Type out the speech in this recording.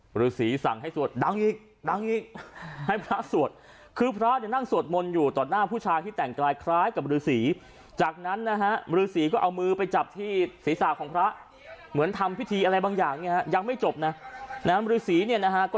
บริษีสั่งให้สวดดังอีกดังอีกให้พระสวดคือพระเนี่ยนั่งสวดมนต์อยู่ต่อหน้าผู้ชายที่แต่งกลายคล้ายกับบริษีจากนั้นนะฮะบริษีก็เอามือไปจับที่ศีรษะของพระเหมือนทำพิธีอะไรบางอย่างเนี่ยฮะยังไม่จบนะนะฮะบริษีก็เอามือไปจับที่ศีรษะของพระเหมือนทำพิธีอะไรบางอย่างเนี่ย